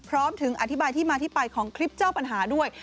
พร้อมถึงอธิบายที่มาที่ไปของคลิปเจ้าปัญหาด้วย